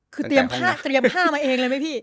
คือเตรียมผ้ามาเองเลยไหมพี่